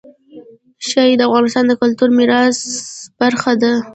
ښتې د افغانستان د کلتوري میراث برخه ده.